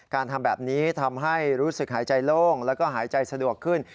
การทำแบบนี้ทำให้รู้สึกหายใจโล่งแล้วก็หายใจสะดวกขึ้น